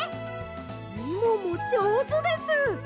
みももじょうずです！